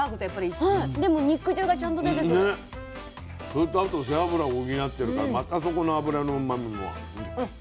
それとあと背脂を補ってるからまたそこの脂のうまみもある。